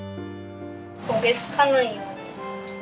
焦げ付かないように。